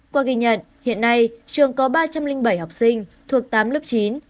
qua ghi nhận hiện nay trường có ba trăm linh bảy học sinh thuộc tám lớp chín